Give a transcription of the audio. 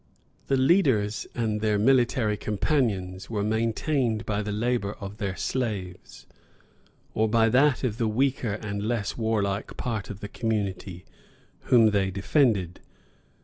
] The leaders and their military companions were maintained by the labor of their slaves, or by that of the weaker and less warlike part of the community whom they defended.